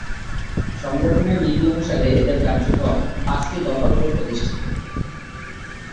সংগঠনের নীতি অনুসারে এদের কার্যক্রম পাঁচটি দফার উপর প্রতিষ্ঠিত।